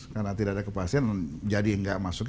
karena tidak ada kepastian jadi tidak masuk